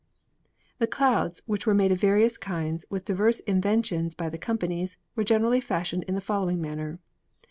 The Clouds, which were made of various kinds and with diverse inventions by the Companies, were generally fashioned in the following manner.